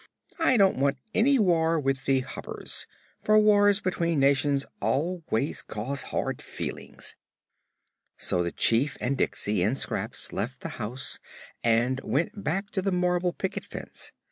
I don't want any war with the Hoppers, for wars between nations always cause hard feelings." So the Chief and Diksey and Scraps left the house and went back to the marble picket fence.